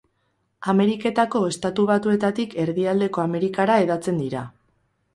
Ameriketako Estatu Batuetatik Erdialdeko Amerikara hedatzen dira.